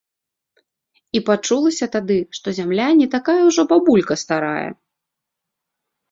І пачулася тады, што зямля не такая ўжо бабулька старая.